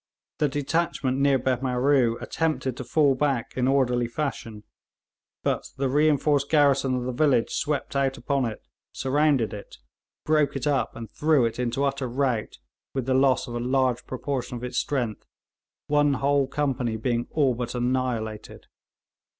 The detachment near Behmaroo attempted to fall back in orderly fashion, but the reinforced garrison of the village swept out upon it, surrounded it, broke it up, and threw it into utter rout with the loss of a large proportion of its strength, one whole company being all but annihilated.